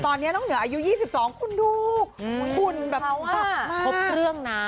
ตอนเนี้ยน้องเหนืออายุ๒๒คุณดูวววคุณแบบพอสับมาดครับเขาว่าพบเครื่องน้า